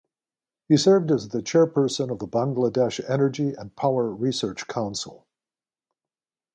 He served as the chairperson of the Bangladesh Energy and Power Research Council.